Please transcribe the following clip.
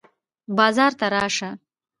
بازار ته راشه.